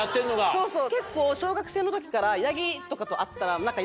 そうそう。